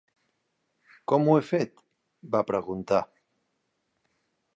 "Com ho he fet?", va preguntar.